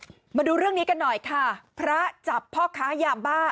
มาดูเรื่องนี้กันหน่อยค่ะพระจับพ่อค้ายาบ้า